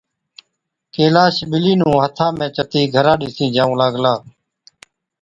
ڪيلاش ٻلِي نُون هٿا ۾ چتِي گھرا ڏِسِين جائُون لاگلا،